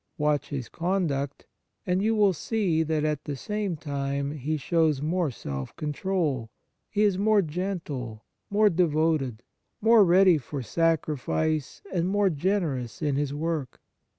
Watch his conduct, and you will see that at the same time he shows more self control, he is more gentle, more devoted, more ready for sacrifice and more generous in his work.